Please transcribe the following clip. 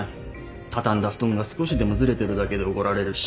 畳んだ布団が少しでもずれてるだけで怒られるし。